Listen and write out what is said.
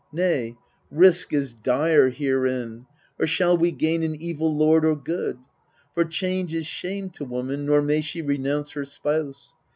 Nay, risk is dire herein or shall we gain An evil lord or good ? For change is shame To woman, nor may she renounce her spouse.